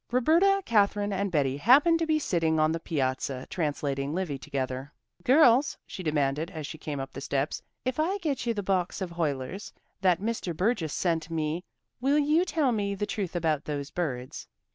Roberta, Katherine and Betty happened to be sitting on the piazza translating Livy together. "Girls," she demanded, as she came up the steps, "if I get you the box of Huyler's that Mr. Burgess sent me will you tell me the truth about those birds?"